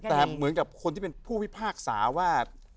แต่เหมือนกับคนที่เป็นผู้พิพากษาว่า